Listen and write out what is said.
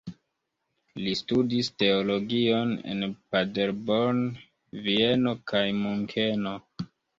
Li studis teologion en Paderborn, Vieno kaj Munkeno.